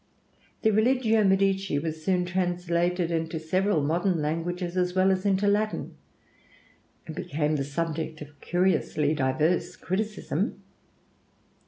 The 'Religio Medici' was soon translated into several modern languages as well as into Latin, and became the subject of curiously diverse criticism.